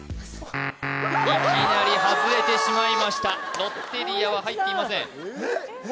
いきなりハズれてしまいましたロッテリアは入っていません森脇さん！